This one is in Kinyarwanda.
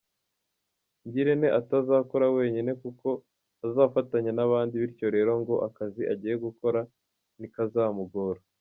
Ngirente atazakora wenyine kuko azafatanya n’abandi, bityo rero ngo akazi agiye gukora ntikazamugora.